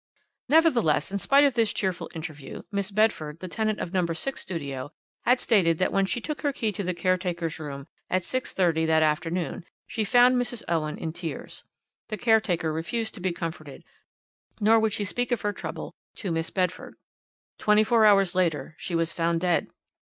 "' "Nevertheless, in spite of this cheerful interview, Miss Bedford, the tenant of No. 6 Studio, had stated that when she took her key to the caretaker's room at 6.30 that afternoon she found Mrs. Owen in tears. The caretaker refused to be comforted, nor would she speak of her trouble to Miss Bedford. "Twenty four hours later she was found dead.